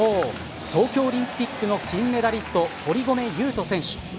そう東京オリンピックの金メダリスト堀米雄斗選手。